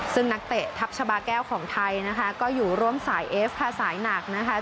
ซึ่งนักเตะทัพชาบาแก้วของไทยนะคะก็อยู่ร่วมสายเอฟค่ะสายหนักนะคะ